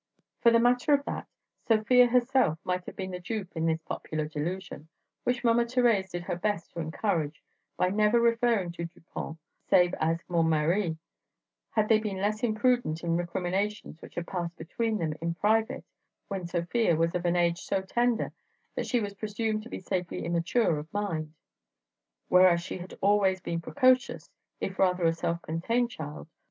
For the matter of that, Sofia herself might have been the dupe of this popular delusion—which Mama Thérèse did her best to encourage by never referring to Dupont save as "mon mari"—had they been less imprudent in recriminations which had passed between them in private when Sofia was of an age so tender that she was presumed to be safely immature of mind. Whereas she had always been precocious, if rather a self contained child.